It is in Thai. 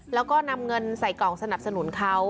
แล้วก็นำเงินใส่กล่องสนับสนุนเขา